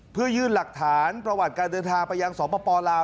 เพื่อยื่นหลักฐานประวัติการเดินทางไปยังสปลาว